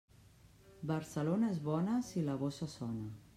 Barcelona és bona si la bossa sona.